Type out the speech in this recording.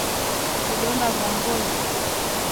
Vidonda vya ngozi jinsi ilivyoelezwa hapo juu